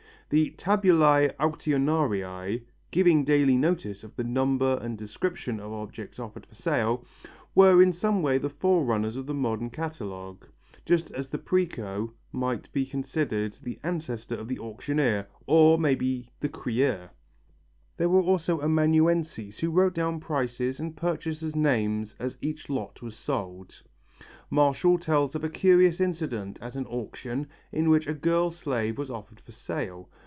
The tabulæ auctionariæ, giving daily notice of the number and description of objects offered for sale, were in some way the forerunners of the modern catalogue, just as the præco must be considered as the ancestor of the auctioneer or, maybe, the crieur. There were also amanuenses who wrote down prices and purchaser's name as each lot was sold. Martial tells of a curious incident at an auction in which a girl slave was offered for sale.